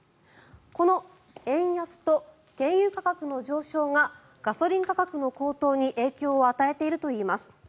この円安と原油価格の上昇がガソリン価格の高騰に影響を与えているといいます。